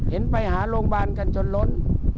เห็นไปหาโรงพยาบาลกันจนล้น